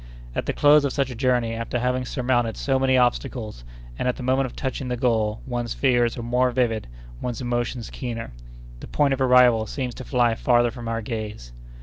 At the close of such a journey, after having surmounted so many obstacles, and at the moment of touching the goal, one's fears are more vivid, one's emotions keener. The point of arrival seems to fly farther from our gaze.